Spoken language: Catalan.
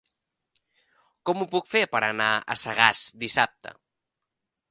Com ho puc fer per anar a Sagàs dissabte?